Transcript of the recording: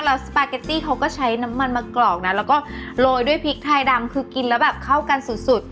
แล้วสปาเกตตี้เขาก็ใช้น้ำมันมากรอกนะแล้วก็โรยด้วยพริกไทยดำคือกินแล้วแบบเข้ากันสุดสุด